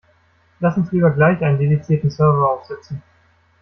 Lass uns lieber gleich einen dedizierten Server aufsetzen.